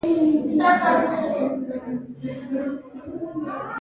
که دوی په خپله وظیفه کې غفلت وکړي.